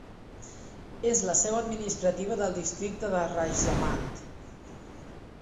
És la seu administrativa del districte de Rajsamand.